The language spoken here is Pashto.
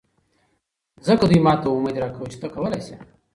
ځکه دوي ماته اميد راکوه چې ته کولې شې.